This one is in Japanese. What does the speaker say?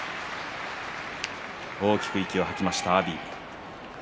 大きく息を吐きました阿炎。